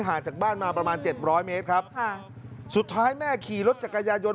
ห่างจากบ้านมาประมาณ๗๐๐เมตรครับสุดท้ายแม่ขี่รถจักรยายน